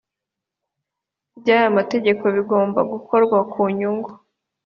ry aya mategeko bigomba gukorwa ku nyungu